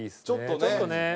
ちょっとね。